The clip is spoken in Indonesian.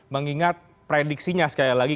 mengingat prediksinya sekali lagi